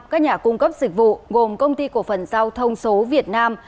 các nhà cung cấp dịch vụ gồm công ty cổ phần giao thông số việt nam